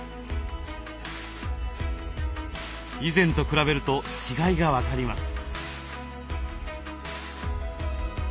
以前と比べると違いが分かります。